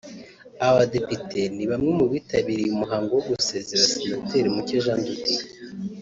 abadepite ni bamwe mu bitabiriye umuhango wo gusezera senateri Mucyo Jean De Dieu